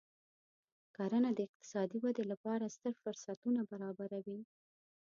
کرنه د اقتصادي ودې لپاره ستر فرصتونه برابروي.